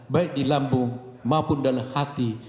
baik di lambung maupun dalam hati